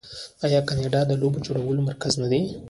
آیا کاناډا د لوبو جوړولو مرکز نه دی؟